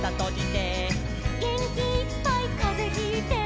「げんきいっぱいかぜひいて」